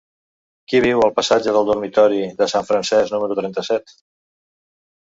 Qui viu al passatge del Dormitori de Sant Francesc número trenta-set?